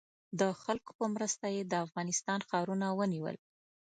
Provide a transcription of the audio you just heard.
د خلکو په مرسته یې د افغانستان ښارونه ونیول.